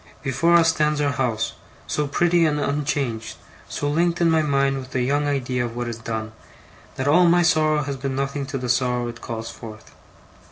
Before us stands our house, so pretty and unchanged, so linked in my mind with the young idea of what is gone, that all my sorrow has been nothing to the sorrow it calls forth.